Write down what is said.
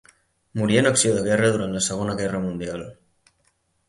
Morí en acció de guerra durant la Segona Guerra Mundial.